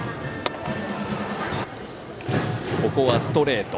ここはストレート。